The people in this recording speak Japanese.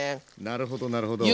なるほどなるほど。